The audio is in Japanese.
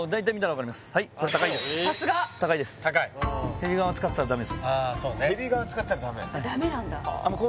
ヘビ皮使ってたらダメ？